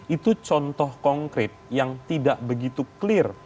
itu contoh konkret yang tidak begitu clear